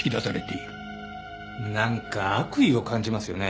なんか悪意を感じますよね。